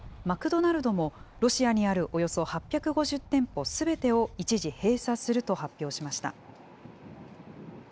マクドナルドもロシアにあるおよそ８５０店舗すべてを、一時閉鎖すると発表しました。